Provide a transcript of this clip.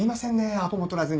アポもとらずに。